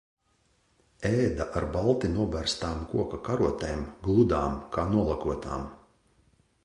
Ēda ar balti noberztām koka karotēm, gludām, kā nolakotām.